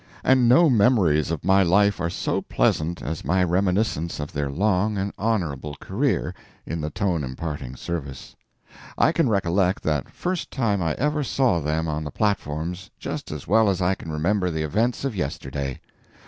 And no memories of my life are so pleasant as my reminiscence of their long and honorable career in the Tone imparting service. I can recollect that first time I ever saw them on the platforms just as well as I can remember the events of yesterday.